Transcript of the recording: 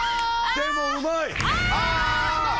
でもうまい！